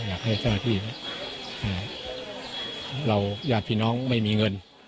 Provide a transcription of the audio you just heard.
อยากให้เจ้าหน้าที่เราญาติพี่น้องไม่มีเงิน